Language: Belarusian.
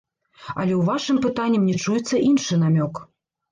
Але ў вашым пытанні мне чуецца іншы намёк.